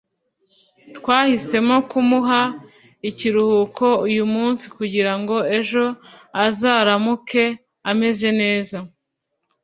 twahisemo kumuha ikiruhuko uyu munsi kugira ngo ejo azaramuke ameze neza